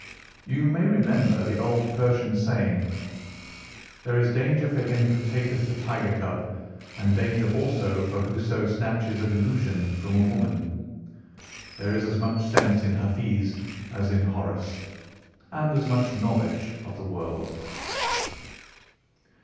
You may remember the old Persian saying, 'There is danger for him who taketh the tiger cub, and danger also for whoso snatches a delusion from a woman.' There is as much sense in Hafiz as in Horace, and as much knowledge of the world."